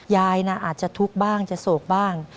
ยายน่ะอาจจะทุกข์บ้างจะโศกบ้าง